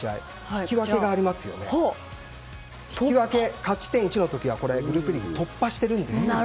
引き分け、勝ち点１の時はグループリーグを突破しているんですね。